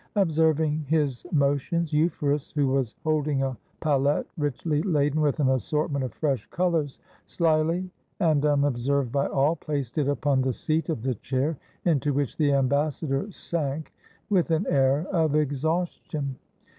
Observing his motions, Euphorus, who was holding a palette richly laden with an assortment of fresh colors, slyly and unobserved by all, placed it upon the seat of the chair, into which the ambassador sank with an air of exhaustion.